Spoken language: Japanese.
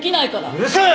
うるさい！